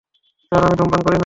Sir, আমি ধুমপান করি না।